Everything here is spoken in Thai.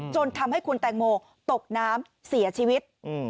จนทำให้คุณแตงโมตกน้ำเสียชีวิต